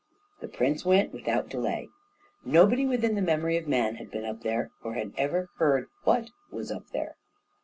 The prince went without delay. Nobody within the memory of man had been up there or had ever heard what was up there.